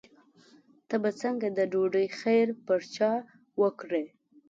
ته به څنګه د ډوډۍ خیر پر چا وکړې.